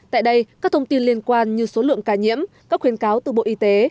tại đây các thông tin liên quan như số lượng ca nhiễm các khuyến cáo từ bộ y tế